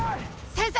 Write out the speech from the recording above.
先生！